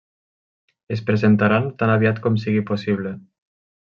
Es presentaran tan aviat com sigui possible.